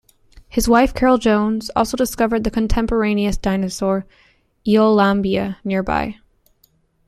His wife, Carol Jones, also discovered the contemporaneous dinosaur "Eolambia" nearby.